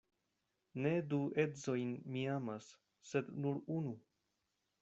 Ne du edzojn mi amas, sed nur unu.